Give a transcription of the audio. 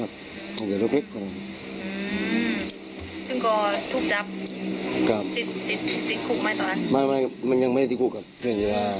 ไม่ครับก็หยิงให้ไปหมอบทรัลซึ่งหล่กไม่ไหวครับมันดื้อ